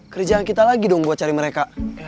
kerjaan kita lagi dong buat cari mereka